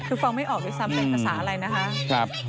คือฟังไม่ออกด้วยซ้ำเป็นภาษาอะไรนะคะ